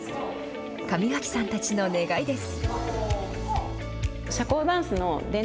上脇さんたちの願いです。